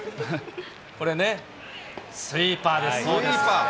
これね、スイーパーですよ。